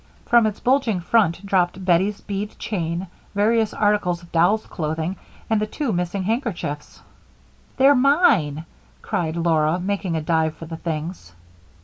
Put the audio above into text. From its bulging front dropped Bettie's bead chain, various articles of doll's clothing, and the two missing handkerchiefs. "They're mine!" cried Laura, making a dive for the things.